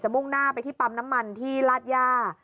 มุ่งหน้าไปที่ปั๊มน้ำมันที่ลาดย่า